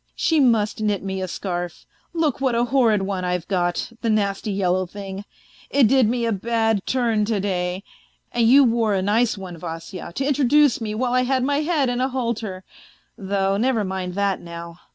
She must knit me a scarf ; look what a horrid one I've got, the nasty yellow thing, it did me a bad turn to day ! And you wore a nice one, Vasya, to introduce me while I had my head in a halter. ... Though never mind that now.